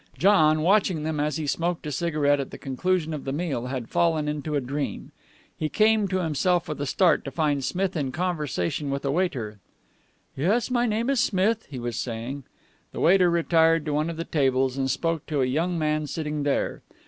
John, watching them, as he smoked a cigarette at the conclusion of the meal, had fallen into a dream. He came to himself with a start, to find Smith in conversation with a waiter. "Yes, my name is Smith," he was saying. The waiter retired to one of the tables and spoke to a young man sitting there.